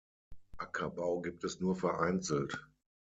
Ackerbau gibt es nur vereinzelt.